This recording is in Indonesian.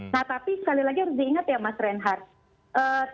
nah tapi sekali lagi harus diingat ya mas reinhardt